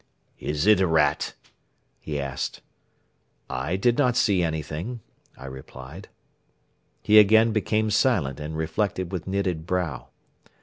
"Is it a rat?" he asked. "I did not see anything," I replied. He again became silent and reflected with knitted brow.